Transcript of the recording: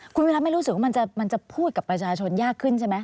คุณวิรัติไม่รู้สึกว่ามันจะพูดกับประชาชนยากขึ้นใช่ไหม